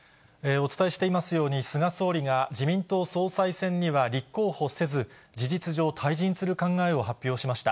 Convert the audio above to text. お伝えしていますように、菅総理が自民党総裁選には立候補せず、事実上、退陣する考えを発表しました。